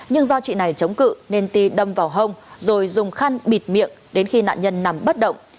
nhưng do chị này chống cự nên ti đâm vào hông rồi dùng khăn bịt miệng đến khi nạn nhân nằm bất động